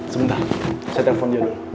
sebentar saya telepon dia dulu